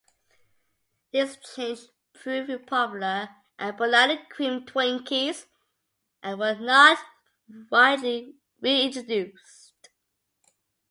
This change proved popular, and banana-cream Twinkies were not widely re-introduced.